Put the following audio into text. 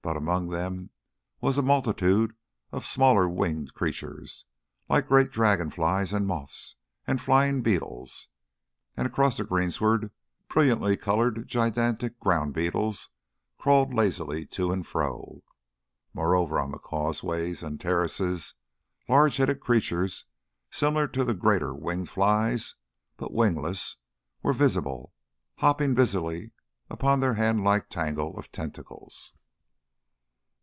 But among them was a multitude of smaller winged creatures, like great dragon flies and moths and flying beetles, and across the greensward brilliantly coloured gigantic ground beetles crawled lazily to and fro. Moreover, on the causeways and terraces, large headed creatures similar to the greater winged flies, but wingless, were visible, hopping busily upon their hand like tangle of tentacles.